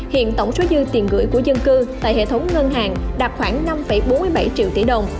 hiện tổng số dư tiền gửi của dân cư tại hệ thống ngân hàng đạt khoảng năm bốn mươi bảy triệu tỷ đồng